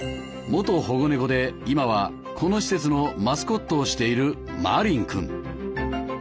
元保護猫で今はこの施設のマスコットをしているマリン君。